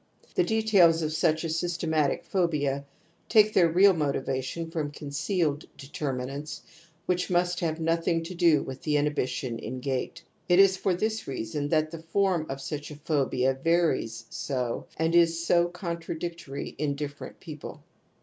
The details of such a systematic phobia take their real motivation from con cealed determinants which must have nothing to do with the inhibition in gait ; it is for this* reason that the form of such a phobia varies so and is so contradictory in different people.